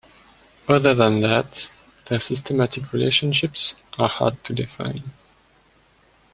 Other than that, their systematic relationships are hard to define.